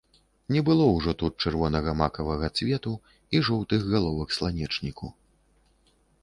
Не было ўжо тут чырвонага макавага цвету і жоўтых галовак сланечніку.